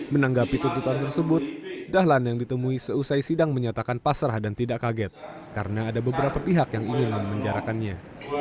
menanggapi tuntutan tersebut dahlan yang ditemui seusai sidang menyatakan pasrah dan tidak kaget karena ada beberapa pihak yang ingin memenjarakannya